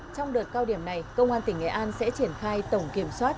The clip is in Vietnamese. trong đợt cao điểm này công an tỉnh nghệ an sẽ triển khai tổng kiểm soát